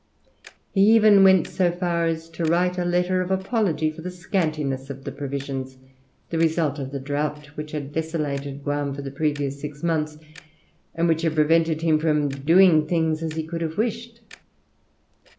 He even went so far as to write a letter of apology for the scantiness of the provisions, the result of the drought which had desolated Guam for the previous six months, and which had prevented him from doing things as he could have wished.